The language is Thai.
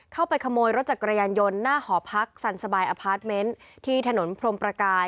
เข้าไปขโมยรถจักรยานยนต์หน้าหอพักสั่นสบายอพาร์ทเมนต์ที่ถนนพรมประกาย